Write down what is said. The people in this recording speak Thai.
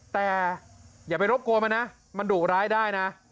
แต่อย่าไปรบกลัวมันนะมันดูเป็นร้ายได้นะ